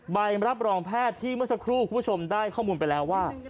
ใบรับรองแพทย์ที่เมื่อสักครู่คุณผู้ชมได้ข้อมูลไปแล้วว่า